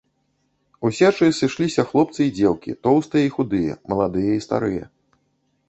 У сечы сышліся хлопцы і дзеўкі, тоўстыя і худыя, маладыя і старыя.